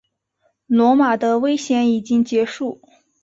罗马的危险已经结束。